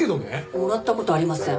もらった事ありません。